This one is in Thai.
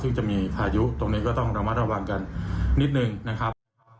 ซึ่งจะมีพายุตรงนี้ก็ต้องระมัดระวังกันนิดนึงนะครับ